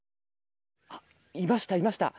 いました、いました。